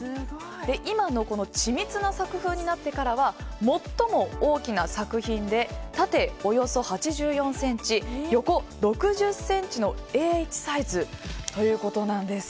今の緻密な作風になってからは最も大きな作品で縦およそ８４ｃｍ横６０ｃｍのＡ１サイズということなんです。